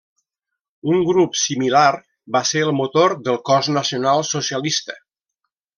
Un grup similar va ser el motor del Cos Nacional Socialista.